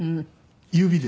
指で。